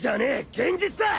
現実だ！